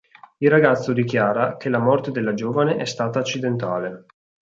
Il ragazzo dichiara che la morte della giovane è stata accidentale.